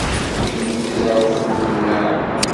Ineggez ɣef ubellaɛ.